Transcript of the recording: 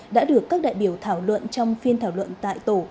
đã được các đại biểu thảo luận trong phiên thảo luận tại tổ